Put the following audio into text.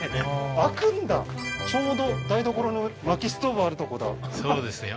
開くんだちょうど台所の薪ストーブあるとこだそうですよ